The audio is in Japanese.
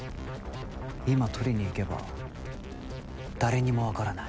今取りに行けば誰にも分からない。